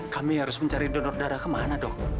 kami harus mencari donor darah ke mana dok